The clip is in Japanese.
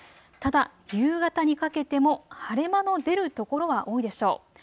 ただ夕方にかけても晴れ間の出る所が多いでしょう。